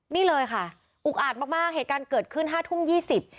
นี่เลยค่ะอุกอาจมากมากเหตุการณ์เกิดขึ้นห้าทุ่มยี่สิบ